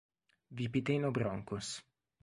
Vipiteno Broncos.